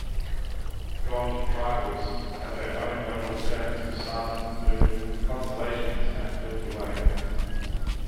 Gond tribals had their own local terms for Sun, Moon, Constellations and Milky way.